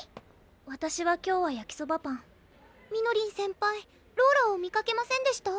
わたしは今日は「やきそばパン」みのりん先輩ローラを見かけませんでした？